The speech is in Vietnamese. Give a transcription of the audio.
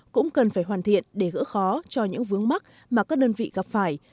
cũng cần phải hoàn thiện để gỡ khó cho những vướng mắt mà các đơn vị gặp phải